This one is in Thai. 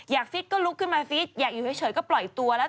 ฟิตก็ลุกขึ้นมาฟิตอยากอยู่เฉยก็ปล่อยตัวแล้ว